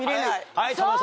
はい。